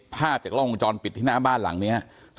ภาพจากโล่งวงจรนะครับเธอเอาท่านดูภาพเหตุการณ์